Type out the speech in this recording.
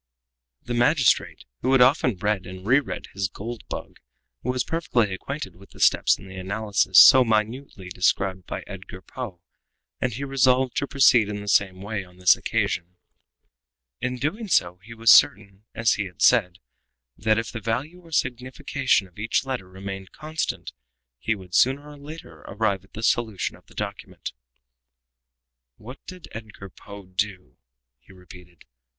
The magistrate, who had often read and re read his "Gold Bug," was perfectly acquainted with the steps in the analysis so minutely described by Edgar Poe, and he resolved to proceed in the same way on this occasion. In doing so he was certain, as he had said, that if the value or signification of each letter remained constant, he would, sooner or later, arrive at the solution of the document. "What did Edgar Poe do?" he repeated.